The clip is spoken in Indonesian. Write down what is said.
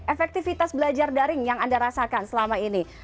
efektivitas belajar daring yang anda rasakan selama ini